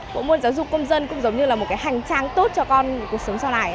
bộ môn giáo dục công dân cũng giống như là một cái hành trang tốt cho con cuộc sống sau này